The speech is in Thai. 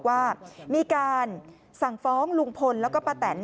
ว่ามีการสั่งฟ้องลุงพลแล้วก็ป้าแตน